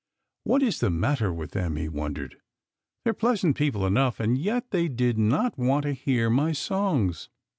"What is the matter with them?" he wondered. " They're pleasant people enough, and yet they did not want to hear my songs."